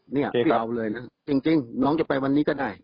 เรียกเราเลยนะจริงน้องจะไปวันนี้ก็ได้